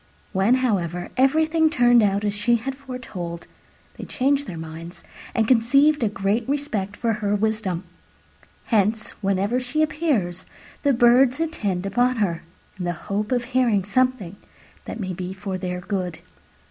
When, however, everything turned out as she had foretold, they changed their minds and conceived a great respect for her wisdom. Hence, whenever she appears, the Birds attend upon her in the hope of hearing something that may be for their good.